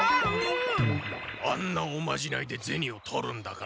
あんなおまじないでゼニを取るんだから。